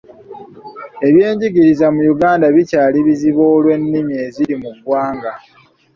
Ebyengigiriza mu Yuganda bikyali bizibu olw'ennimi ennyingi eziri mu gwanga.